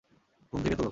ঘুম থেকে তোল!